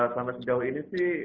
sama sejauh ini sih